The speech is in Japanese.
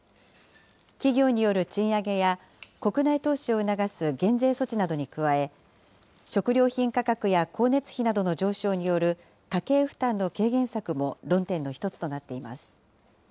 企業による賃上げや、国内投資を促す減税措置などに加え、食料品価格や光熱費などの上昇による家計負担の軽減策も論点の１つとなっています。